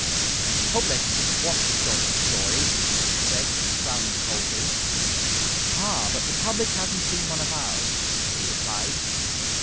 "The public does not want historical stories," he said, frowning coldly. "Ah, but the public hasn't seen one of ours!" we replied.